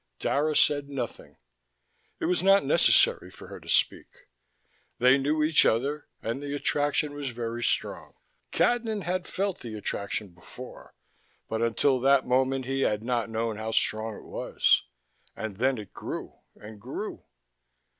Dara said nothing: it was not necessary for her to speak. They knew each other, and the attraction was very strong. Cadnan had felt the attraction before, but until that moment he had not known how strong it was. And then it grew, and grew.